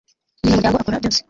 Umunyamuryango akora byose